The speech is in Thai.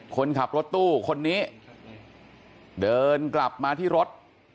คนขับรถตู้คนนี้เดินกลับมาที่รถ